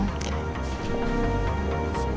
jadi begitu ceritanya di sini